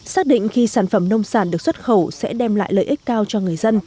xác định khi sản phẩm nông sản được xuất khẩu sẽ đem lại lợi ích cao cho người dân